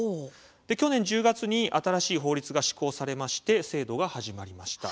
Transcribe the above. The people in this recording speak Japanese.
去年１０月に新しい法律が施行されまして制度が始まりました。